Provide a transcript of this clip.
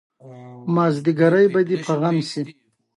غیر بومي واکمنانو په کې حکومت کړی دی.